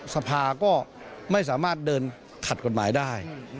สภาก็ไม่สามารถเดินขัดกฎหมายได้